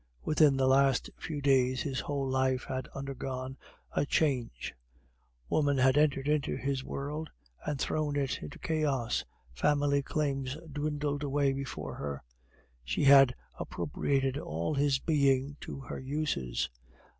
Within the last few days his whole life had undergone a change. Woman had entered into his world and thrown it into chaos, family claims dwindled away before her; she had appropriated all his being to her uses.